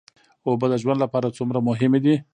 اوبه د ژوند لپاره څومره مهمې دي